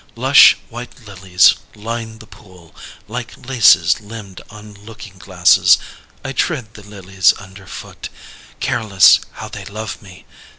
Lush white lilies line the pool Like laces limned on looking glasses! I tread the lilies underfoot, Careless how they love me!